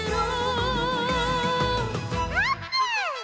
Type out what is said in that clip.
「あーぷん」